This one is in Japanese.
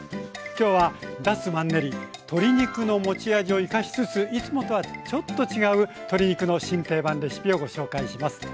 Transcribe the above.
今日は脱マンネリ鶏肉の持ち味を生かしつついつもとはちょっと違う鶏肉の新定番レシピをご紹介します。